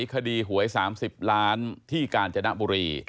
คดีหวย๓๐ล้านที่กาญจนบุรี